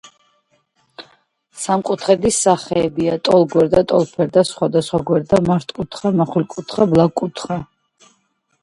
სამკუთხედის სახეებია: ტოლგვერდა, ტოლფერდა, სხვადასხვა გვერდა, მართკუთხა, მახვილკუთხა, ბლაგვკუთხა